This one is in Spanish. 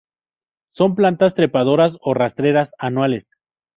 Son plantas trepadoras o rastreras anuales.